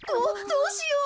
どうしよう。